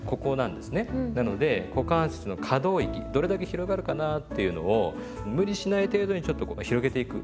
なので股関節の可動域どれだけ広がるかなっていうのを無理しない程度にちょっとこう広げていく。